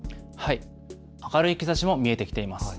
明るい兆しも見えてきています。